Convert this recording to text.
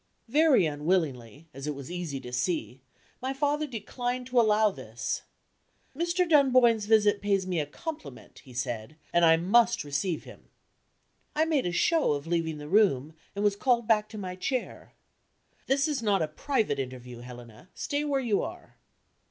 Very unwillingly, as it was easy to see, my father declined to allow this. "Mr. Dunboyne's visit pays me a compliment," he said; "and I must receive him." I made a show of leaving the room, and was called back to my chair. "This is not a private interview, Helena; stay where you are."